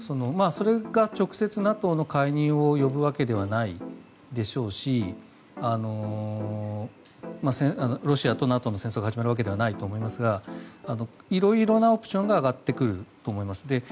それが直接、ＮＡＴＯの介入を呼ぶわけではないでしょうしロシアとＮＡＴＯの戦争が始まるわけではないと思いますがいろいろなオプションが上がってくると思います。